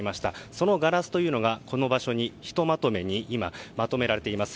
そのガラスというのがこの場所にひとまとめに、今されています。